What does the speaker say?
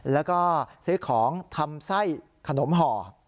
แล้วก็ซื้อของทำไส้ขนมห่อ